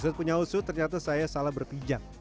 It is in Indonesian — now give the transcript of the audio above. usut punya usut ternyata saya salah berpijak